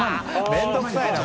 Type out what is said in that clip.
面倒くさいな！